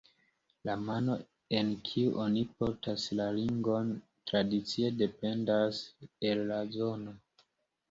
La mano en kiu oni portas la ringon tradicie dependas el la zono.